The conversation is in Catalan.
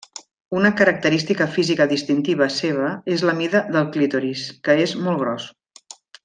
Una característica física distintiva seva és la mida del clítoris, que és molt gros.